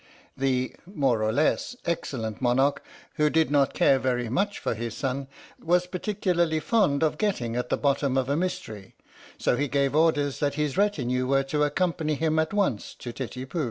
The (more or less) excellent monarch, who did not care very much for his son, was particularly fond of getting at the bottom of a mys tery, so he gave orders that his retinue were to accom pany him at once to Titipu.